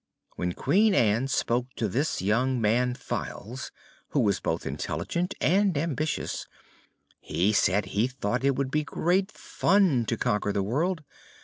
When Queen Ann spoke to this young man Files, who was both intelligent and ambitious, he said he thought it would be great fun to conquer the world.